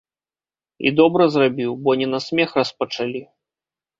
І добра зрабіў, бо не на смех распачалі.